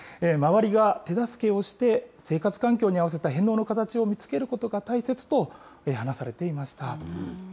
周りが手助けをして、生活環境に合わせた返納の形を見つけることが大切と話されていました。